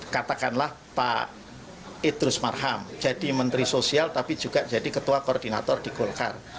katakanlah pak idrus marham jadi menteri sosial tapi juga jadi ketua koordinator di golkar